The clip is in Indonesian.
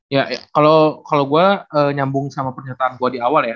ya kalau gue nyambung sama pernyataan gue di awal ya